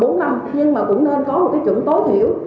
nhưng mà cũng nên có một trụng tối thiểu